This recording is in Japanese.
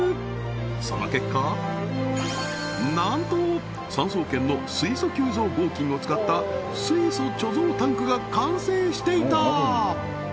その結果なんと産総研の水素吸蔵合金を使った水素貯蔵タンクが完成していた！